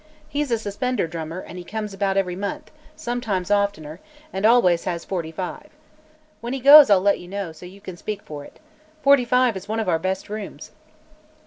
He's a suspender drummer and comes about every month sometimes oftener and always has 45. When he goes, I'll let you know, so you can speak for it. Forty five is one of our best rooms."